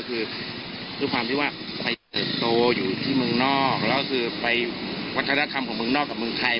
คือด้วยความที่ว่าไปเติบโตอยู่ที่เมืองนอกแล้วคือไปวัฒนธรรมของเมืองนอกกับเมืองไทย